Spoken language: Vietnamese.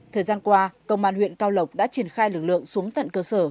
thời gian qua công an huyện cao lộc đã triển khai lực lượng xuống tận cơ sở